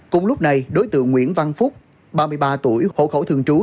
cùng lúc này đối tượng nguyễn văn phúc ba mươi ba tuổi hộ khẩu thường trú